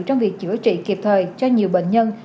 trong việc chữa trị kịp thời cho nhiều bệnh nhân